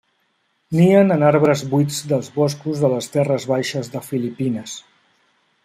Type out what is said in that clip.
Nien en arbres buits dels boscos de les terres baixes de Filipines.